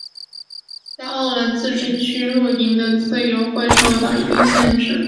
在奥兰自治区露营的自由会受到一定的限制。